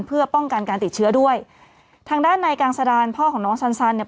เพื่อป้องกันการติดเชื้อด้วยทางด้านในกางสดานพ่อของน้องสันเนี่ย